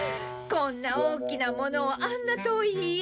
こんな大きなものをあんな遠い家に。